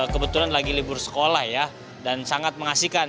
kebetulan lagi libur sekolah ya dan sangat mengasihkan